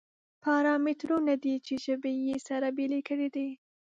پارامترونه دي چې ژبې یې سره بېلې کړې دي.